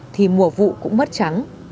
thì mùa vụ cũng mất trắng